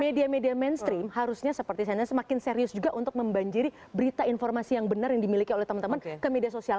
media media mainstream harusnya seperti saya semakin serius juga untuk membanjiri berita informasi yang benar yang dimiliki oleh teman teman ke media sosial